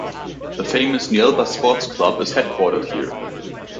The famous Nielba Sports Club is headquartered here.